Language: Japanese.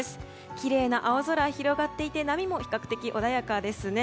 きれいな青空が広がっていて波も比較的穏やかですね。